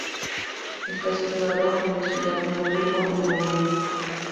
Está situada en la ciudad de Hamburgo, en Alemania.